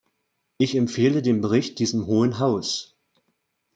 Ich empfehle den Bericht diesem Hohen Haus.